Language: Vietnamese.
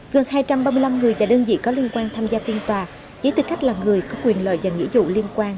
gần hai trăm ba mươi năm người và đơn vị có liên quan tham gia phiên tòa chỉ tư cách là người có quyền lợi và nghĩa dụ liên quan